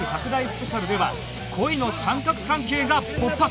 スペシャルでは恋の三角関係が勃発！